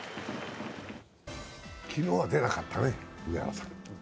昨日は出なかったね、上原さん。